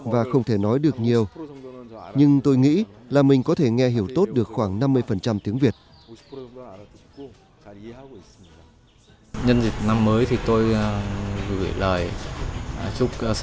và chúc thầy sẽ thành công hơn nữa